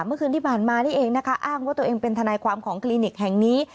เมื่อคืนที่ผ่านมานี่เองนะคะอ้างว่าตัวเองเป็นทนายความของคลินิกแห่งนี้